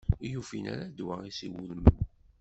Ur ufin ara ddwa i s-iwulmen.